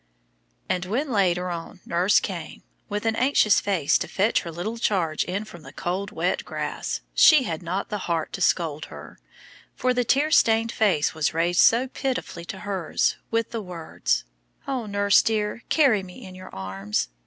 And when later on nurse came, with an anxious face, to fetch her little charge in from the cold, wet grass, she had not the heart to scold her, for the tear stained face was raised so pitifully to hers with the words, "Oh, nurse, dear, carry me in your arms.